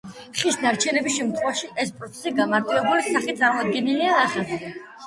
ხის ნარჩენების შემთხვევაში, ეს პროცესი გამარტივებული სახით წარმოდგენილია ნახაზზე.